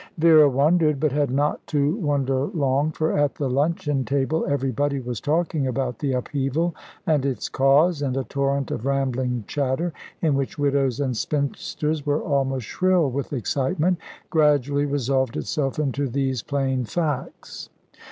Vera wondered, but had not to wonder long; for at the luncheon table everybody was talking about the upheaval, and its cause, and a torrent of rambling chatter, in which widows and spinsters were almost shrill with excitement, gradually resolved itself into these plain facts.